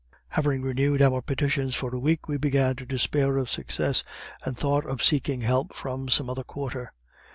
Having renewed our petitions for a week, we began to despair of success, and thought of seeking help from some other quarter.